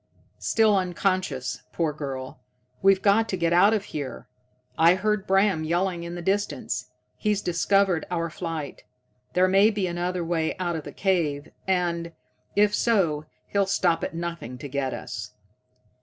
"Still unconscious, poor girl. We've got to get out of here. I heard Bram yelling in the distance. He's discovered our flight. There may be another way out of the cave, and, if so, he'll stop at nothing to get us.